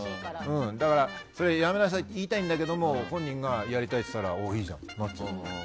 だから、それはやめなさいって言いたいんだけど本人がやりたいって言ったらおお、いいじゃんって。